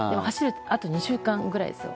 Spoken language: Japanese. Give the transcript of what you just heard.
あと２週間ぐらいですよ。